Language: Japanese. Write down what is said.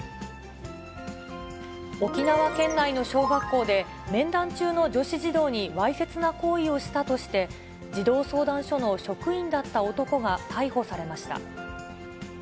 沖縄県内の小学校で、面談中の女子児童にわいせつな行為をしたとして、児童相談所の職員だった男が逮捕されました。